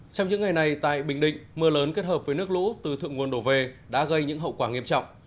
trong những ngày này tại bình định mưa lớn kết hợp với nước lũ từ thượng nguồn đổ về đã gây những hậu quả nghiêm trọng